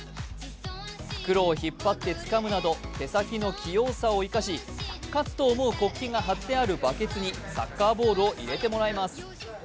袋を引っ張ってつかむなど手先の器用さを生かしかつと思う国旗が貼ってあるバケツにサッカーボールを入れてもらいます。